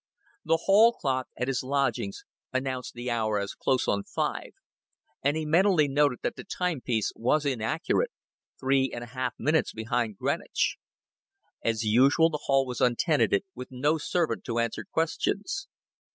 The hall clock at his lodgings announced the hour as close on five, and he mentally noted that the timepiece was inaccurate three and a half minutes behind Greenwich. As usual, the hall was untenanted, with no servant to answer questions.